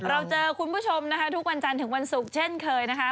เราเจอคุณผู้ชมนะคะทุกวันจันทร์ถึงวันศุกร์เช่นเคยนะคะ